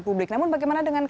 sarana perasaan an